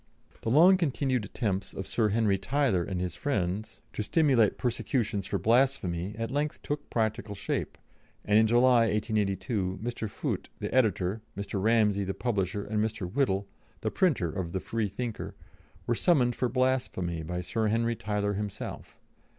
The long continued attempts of Sir Henry Tyler and his friends to stimulate persecutions for blasphemy at length took practical shape, and in July, 1882, Mr. Foote, the editor, Mr. Ramsey, the publisher, and Mr. Whittle, the printer of the Freethinker, were summoned for blasphemy by Sir Henry Tyler himself.